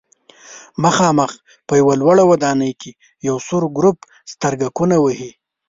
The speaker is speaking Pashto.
مخامخ په یوه لوړه ودانۍ کې یو سور ګروپ سترګکونه وهي.